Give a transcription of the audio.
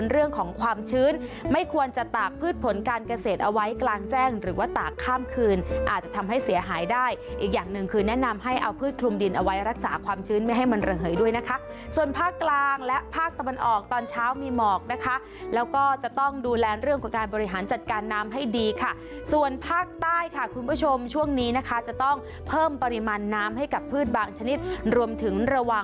เอาไว้กลางแจ้งหรือว่าตากข้ามคืนอาจจะทำให้เสียหายได้อีกอย่างหนึ่งคือแนะนำให้เอาพืชคลุมดินเอาไว้รักษาความชื้นไม่ให้มันเหลือเหยด้วยนะคะส่วนภาคกลางและภาคตะบันออกตอนเช้ามีหมอกนะคะแล้วก็จะต้องดูแลเรื่องกับการบริหารจัดการน้ำให้ดีค่ะส่วนภาคใต้ค่ะคุณผู้ชมช่วงนี้นะคะจะต้องเพิ่มปริมาณ